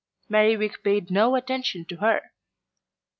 Merriwig paid no attention to her.